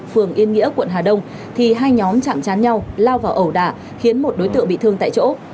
phường yên nghĩa quận hà đông thì hai nhóm chạm chán nhau lao vào ẩu đả khiến một đối tượng bị thương tại chỗ